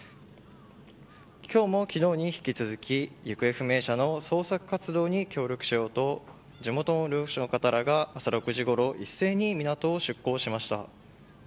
今日も昨日に引き続き行方不明者の捜索活動に協力しようと地元の漁師の方らが朝６時ごろ一斉に、港を出港しました。